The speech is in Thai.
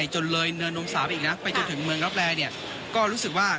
เหนื่อพาไปก็รู้สึกว่า